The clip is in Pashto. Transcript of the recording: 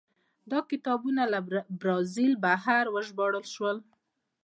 دا کتاب له برازیل بهر وژباړل شو.